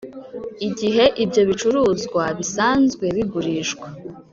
igihe ibyo bicuruzwa bisanzwe bigurishwa